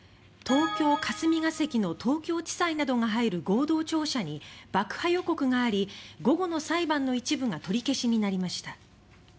東京・霞が関の東京地裁などが入る合同庁舎に爆破予告があり午後の裁判の一部が取り消しになりました。